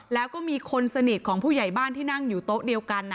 แล้วก็มีคนสนิทของผู้ใหญ่บ้านที่นั่งอยู่โต๊ะเดียวกัน